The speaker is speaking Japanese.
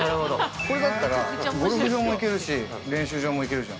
◆これだったら、ゴルフ場も行けるし、練習場も行けるじゃん